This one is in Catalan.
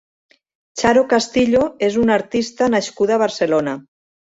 Xaro Castillo és una artista nascuda a Barcelona.